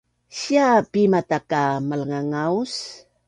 sia Pima ta ka malngangaus